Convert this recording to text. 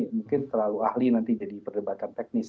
mungkin terlalu ahli nanti jadi perdebatan teknis